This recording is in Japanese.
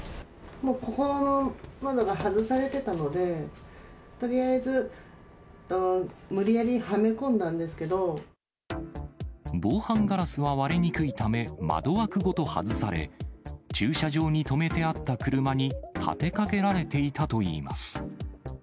もうここの窓が外されてたので、とりあえず、防犯ガラスは割れにくいため、窓枠ごと外され、駐車場に止めてあった車に立てかけられていたといいます。